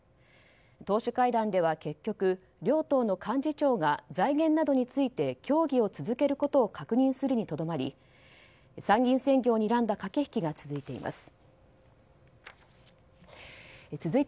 党首会談では結局両党の幹事長が財源などについて協議を続けることを確認するにとどまり参議院選挙をにらんだ駆け引きが続いています。